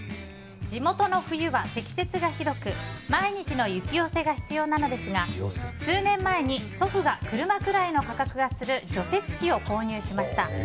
地元の冬は積雪がひどく毎日の雪寄せが必要なのですが数年前に祖父が車くらいの価格がする除雪機を購入しました。